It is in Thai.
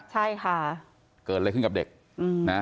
ใช่ค่ะเกิดอะไรขึ้นกับเด็กนะ